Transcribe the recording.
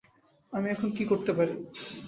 আমি এখন কী করতে পারি?